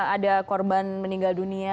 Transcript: ada korban meninggal dunia